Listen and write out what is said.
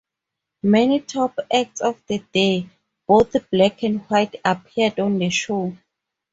Many top acts of the day, both black and white, appeared on the show.